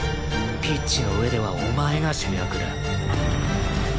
ピッチの上ではお前が主役だ。